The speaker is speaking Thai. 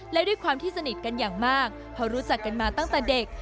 และด้วยความที่สนิทกันอย่างมากเพราะรู้จักกันมาตั้งแต่เด็ก